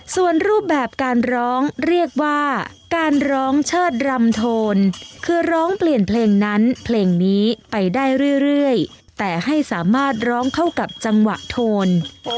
ส่วนรูปแบบการร้องเรียกว่าการร้องเชิดรำโทนคือร้องเปลี่ยนเพลงนั้นเพลงนี้ไปได้เรื่อยแต่ให้สามารถร้องเข้ากับจังหวะโทน